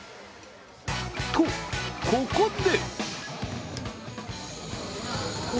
と、ここで！